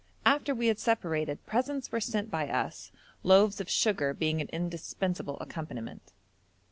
After we had separated presents were sent by us, loaves of sugar being an indispensable accompaniment.